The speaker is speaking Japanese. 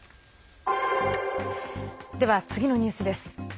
では、次のニュースです。